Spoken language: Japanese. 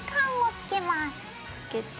つけて。